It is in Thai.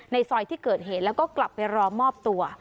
ซอยที่เกิดเหตุแล้วก็กลับไปรอมอบตัว